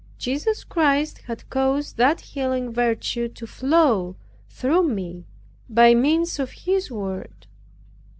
Jesus Christ had caused that healing virtue to flow, through me, by means of His Word.